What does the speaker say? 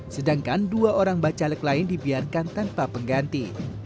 sedangkan dua orang bacalek lain dibiarkan tanpa pengganti